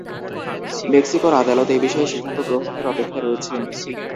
মেক্সিকোর আদালত এই বিষয়ে সিদ্ধান্ত গ্রহণের অপেক্ষায় রয়েছে।